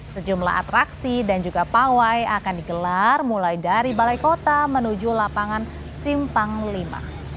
sejumlah atraksi dan juga pawai akan digelar mulai dari balai kota menuju lapangan simpang v